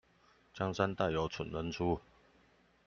江山代有蠢人出